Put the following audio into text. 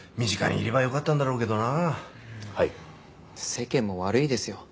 世間も悪いですよ。